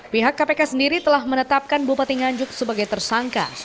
pihak kpk sendiri telah menetapkan bupati nganjuk sebagai tersangka